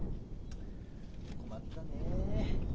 困ったね。